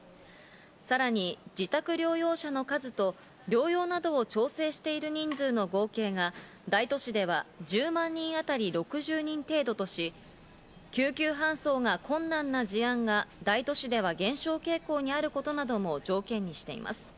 さらに自宅療養者の数と療養などを調整している人数の合計が大都市では１０万人当たり６０人程度とし、救急搬送が困難な事案が大都市では減少傾向にあることなども条件にしています。